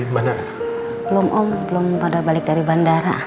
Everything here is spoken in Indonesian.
belum om belum pada balik dari bandara